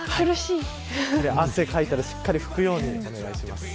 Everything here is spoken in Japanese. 汗かいたら、しっかり拭くようにお願いします。